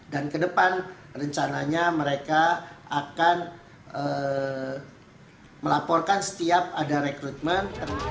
dan kedepan rencananya mereka akan melaporkan setiap ada rekrutmen